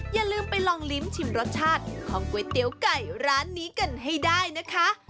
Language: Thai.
อย่าลืมไปลองลิ้มชิมรสชาติของก๋วยเตี๋ยวไก่ร้านนี้กันให้ได้นะคะ